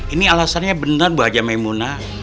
ini alasannya benar bu wajah maimunah